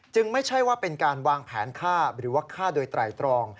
ไม่ใช่ว่าเป็นการวางแผนฆ่าหรือว่าฆ่าโดยไตรตรอง